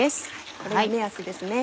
これが目安ですね。